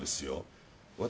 私。